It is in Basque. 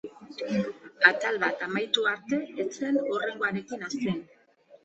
Atal bat amaitu arte ez zen hurrengoarekin hasten.